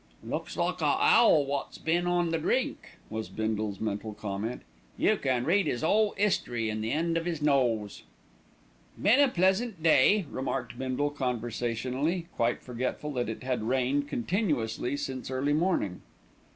"Looks like a owl wot's been on the drink," was Bindle's mental comment. "You can read 'is 'ole 'istory in the end of 'is nose." "Been a pleasant day," remarked Bindle conversationally, quite forgetful that it had rained continuously since early morning.